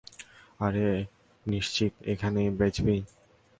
আরে নিশ্চিত, এখানেই বেচবি?